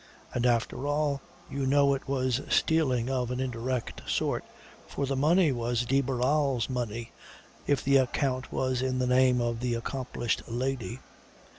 And after all, you know it was stealing of an indirect sort; for the money was de Barral's money if the account was in the name of the accomplished lady.